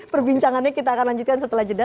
perbincangannya kita akan lanjutkan setelah jeda